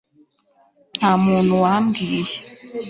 nta muntu wambwiye